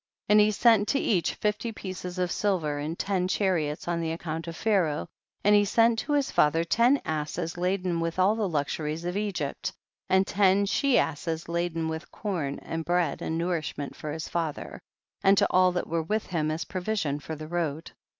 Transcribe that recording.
83. And he sent to each fifty pieces of silver, and ten chariots on the account of Pharaoh, and he sent to his father ten asses laden with all the luxuries of Egypt, and ten she asses laden with corn and bread and nourishment for his father, and to all that were with him as provision for the road.